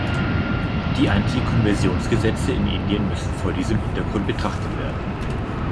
Die Anti-Konversionsgesetze in Indien müssen vor diesem Hintergrund betrachtet werden.